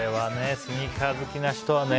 スニーカー好きな人はね。